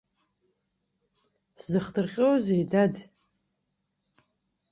Сзыхдырҟьозеи, дад?